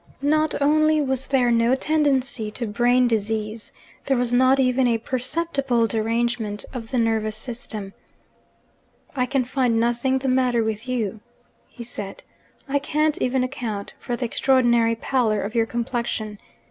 Not only was there no tendency to brain disease there was not even a perceptible derangement of the nervous system. 'I can find nothing the matter with you,' he said. 'I can't even account for the extraordinary pallor of your complexion.